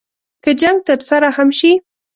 که جنګ ترسره هم شي.